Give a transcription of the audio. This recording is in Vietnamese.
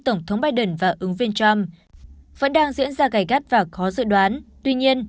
tổng thống biden và ứng viên trump vẫn đang diễn ra gầy gắt và khó dự đoán tuy nhiên